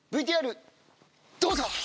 ＶＴＲどうぞ！